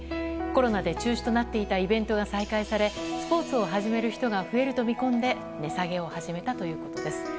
コロナで中止となっていたイベントが再開されスポーツを始める人が増えると見込んで値下げを始めたということです。